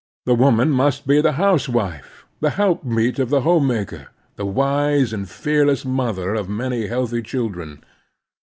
The woman must be the house wife, the helpmeet of the homemaker, the wise and fearless mother of many healthy children.